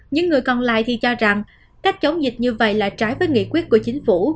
những người còn lại thì cho rằng cách chống dịch như vậy là trái với nghị quyết của chính phủ